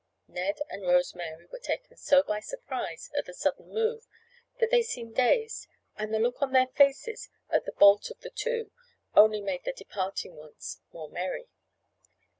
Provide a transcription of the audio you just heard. Ned and Rose Mary were taken so by surprise at the sudden move that they seemed dazed, and the look on their faces at the bolt of the two only made the departing ones more merry.